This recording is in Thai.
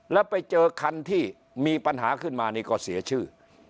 แล้วไปเจอคันที่มีปัญหาขึ้นมานี่ก็เสียชื่อ